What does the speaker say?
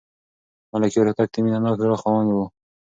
ملکیار هوتک د مینه ناک زړه خاوند و.